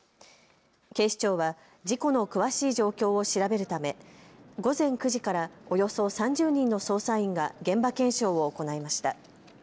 警視庁は事故の詳しい状況を調べるため午前９時からおよそ３０人の捜査員が現場検証を行いました。